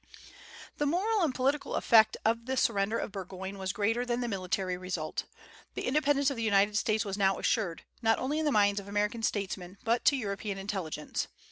The moral and political effect of the surrender of Burgoyne was greater than the military result. The independence of the United States was now assured, not only in the minds of American statesmen, but to European intelligence.